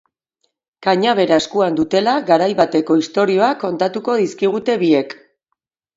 Kanabera eskuan dutela, garai bateko istorioak kontatuko dizkigute biek.